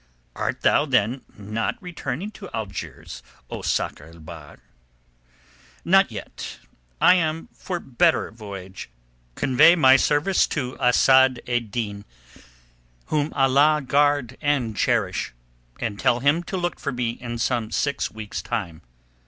"Art thou, then, not returning to Algiers, O Sakr el Bahr?" "Not yet. I am for a longer voyage. Convey my service to Asad ed Din, whom Allah guard and cherish, and tell him to look for me in some six weeks time."